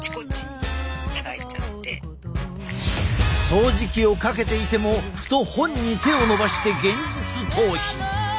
掃除機をかけていてもふと本に手を伸ばして現実逃避。